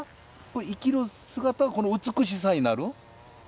生きる姿がこの美しさになる。